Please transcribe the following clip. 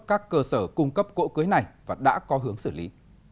các cơ sở cung cấp cỗ cưới này và đã có hướng xử lý